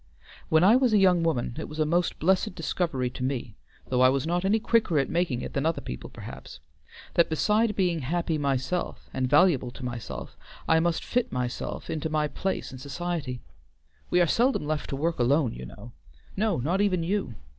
When I was a young woman it was a most blessed discovery to me though I was not any quicker at making it than other people, perhaps, that, beside being happy myself and valuable to myself, I must fit myself into my place in society. We are seldom left to work alone, you know. No, not even you.